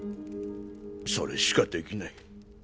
それしかできない。